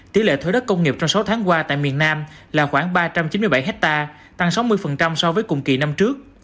tỷ lệ thử đất công nghiệp trong sáu tháng qua tại miền nam là khoảng ba trăm chín mươi bảy hectare tăng sáu mươi so với cùng kỳ năm trước